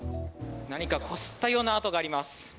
何か、こすったような跡があります。